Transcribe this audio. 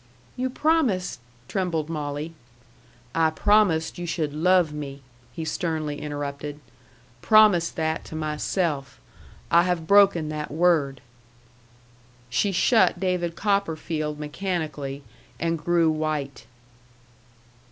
"You promised " trembled Molly. "I promised you should love me," he sternly interrupted. "Promised that to myself. I have broken that word." She shut DAVID COPPERFIELD mechanically, and grew white.